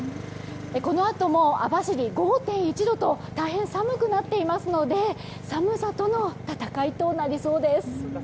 このあとも網走は５．１度と大変寒くなっていますので寒さとの戦いとなりそうです。